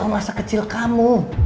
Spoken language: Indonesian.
soal masa kecil kamu